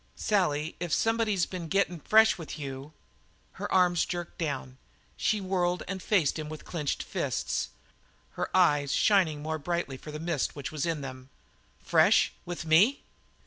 "Sally, if somebody's been gettin' fresh with you " Her arms jerked down; she whirled and faced him with clenched fists; her eyes shining more brightly for the mist which was in them. "Fresh with me?